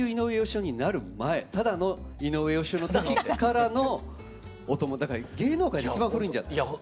ただの井上芳雄の時からのだから芸能界で一番古いんじゃない？